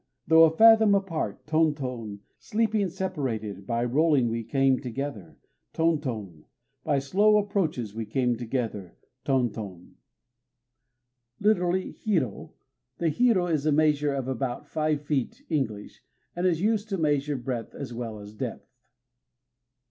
_ Though a fathom apart, Tonton! Sleeping separated, By rolling we came together! Tonton! By slow approaches we came together, Tonton! Lit., "hiro." The hiro is a measure of about five feet English, and is used to measure breadth as well as depth.